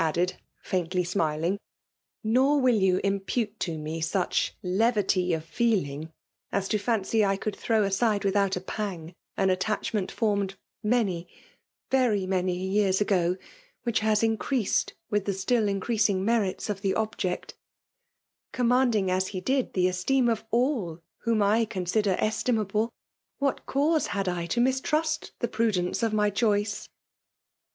MS duddod, fidntly mnilfalgi —aor mil you imputtf to me flucli levity of feding fts ix> fancy I ooaUl Osrbw ande without a pang an attachmeni fi>nned many, very many yean ago— whic^haa increased mth the still increasing merits of the object Commanding as he did the esteem of $& whom I consider estimable, what cause had I to mistrust the prudence of my choice